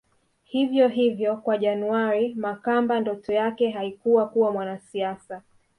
Hivyo hivyo kwa January Makamba ndoto yake haikuwa kuwa mwanasiasa